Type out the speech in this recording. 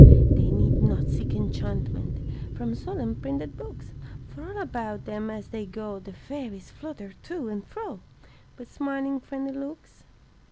They need not seek enchantment From solemn printed books, For all about them as they go The fairies flutter to and fro With smiling friendly looks.